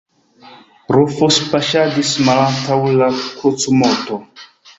Rufus paŝadis malantaŭ la krucumoto.